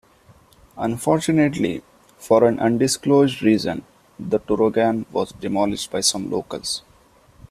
Unfortunately, for an undisclosed reason, the torogan was demolished by some locals.